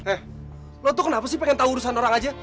eh lo tuh kenapa sih pengen tahu urusan orang aja